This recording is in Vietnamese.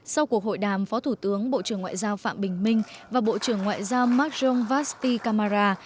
sau cuộc hội đàm phó thủ tướng bộ trưởng ngoại giao phạm bình minh và bộ trưởng ngoại giao macron vasi kamara